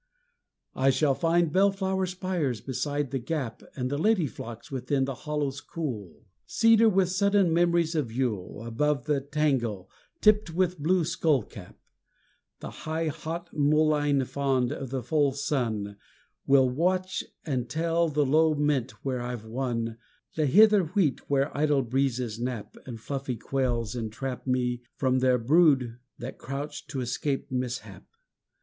I shall find bell flower spires beside the gap And lady phlox within the hollow's cool; Cedar with sudden memories of Yule Above the tangle tipped with blue skullcap. The high hot mullein fond of the full sun Will watch and tell the low mint when I've won The hither wheat where idle breezes nap, And fluffy quails entrap Me from their brood that crouch to escape mishap.